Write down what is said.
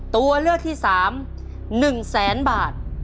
ตัวเลือกที่๓หนึ่งแสนบาท